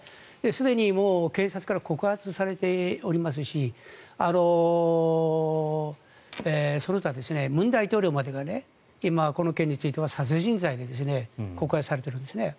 すでに警察から告発されていますしその他、文大統領までが今この件については殺人罪で告発されているんですね。